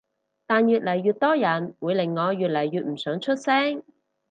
但越嚟越多人會令我越嚟越唔想出聲